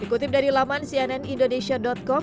dikutip dari laman cnnindonesia com